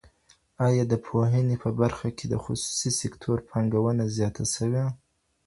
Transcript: آیا د پوهنې په برخه کي د خصوصي سکتور پانګونه زیاته سوي؟